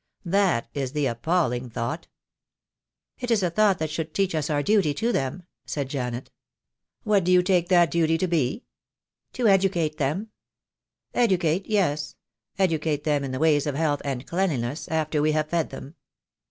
That is the ap palling thought." "It is a thought that should teach us our duty to them," said Janet. "What do you take that duty to be?" I56 THE DAY WILL COME. "To educate them!" "Educate — yes — educate them in the ways of health and cleanliness — after we have fed them.